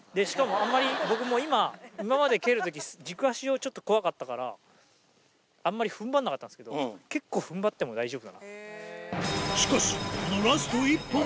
しかもあんまり僕も今今まで蹴るとき軸足をちょっと怖かったからあんまり踏ん張らなかったんですけど結構踏ん張っても大丈夫だなって。